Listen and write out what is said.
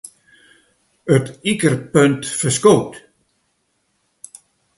It ikerpunt ferskoot.